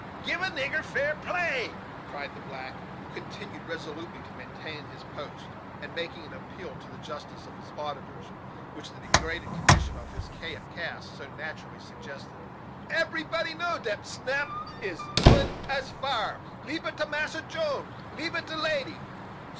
"Gib a nigger fair play!" cried the black, who continued resolutely to maintain his post, and making that appeal to the justice of his auditors which the degraded condition of his caste so naturally suggested. "Eberybody know dat snap as good as fire. Leab it to Massa Jone leab it to lady."